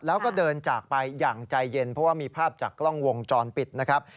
แล้วก็เดินจากไปอย่างใจเย็นเพราะว่ามีภาพจากกล้องวงจรปิดนะครับ